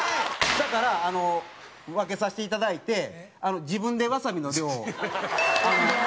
だからあの分けさせていただいて自分でワサビの量を。